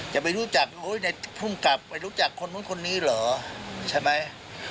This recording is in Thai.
จะไปรู้จักโอ้ยในภูมิกลับไปรู้จักคนนี้เหรอใช่ไหม